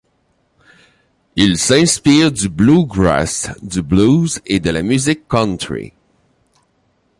Il s'inspire du bluegrass, du blues et de la musique country.